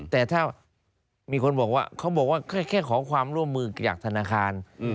แต่ถ้ามีคนบอกว่าเขาบอกว่าแค่ขอความร่วมมือจากธนาคาร